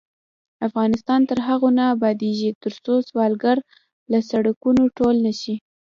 افغانستان تر هغو نه ابادیږي، ترڅو سوالګر له سړکونو ټول نشي.